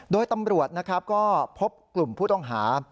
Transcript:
โดยตำรวจก็พบกลุ่มผู้ต้องหา